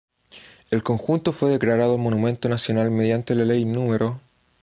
El conjunto fue declarado monumento nacional mediante la ley No.